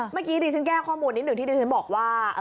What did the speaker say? เมื่อกี้ดิฉันแก้ข้อมูลนิดหนึ่งที่ดิฉันบอกว่า